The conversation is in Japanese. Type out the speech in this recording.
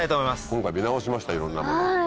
今回見直しましたいろんなものを。